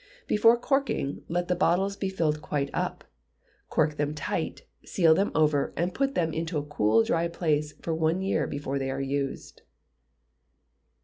Before corking, let the bottles be filled quite up: cork them tight, seal them over, and put them into a cool and dry place for one year before they are used.